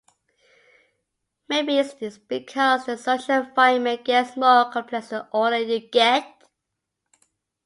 Maybe it's because the social environment gets more complex the older you get?